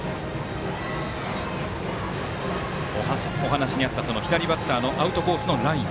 お話にあった左バッターのアウトコースのライン。